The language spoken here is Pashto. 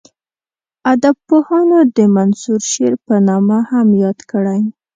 ادبپوهانو د منثور شعر په نامه هم یاد کړی.